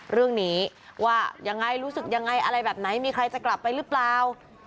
เรื่องนี้ว่ายังไงรู้สึกยังไงอะไรแบบไหนมีใครจะกลับไปหรือเปล่า